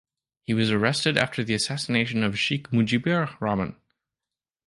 He was arrested after the assassination of Sheikh Mujibur Rahman.